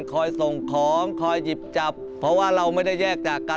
ส่งของคอยหยิบจับเพราะว่าเราไม่ได้แยกจากกัน